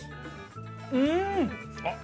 うん！